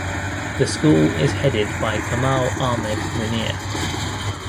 The school is headed by Kamal Ahmed Munir.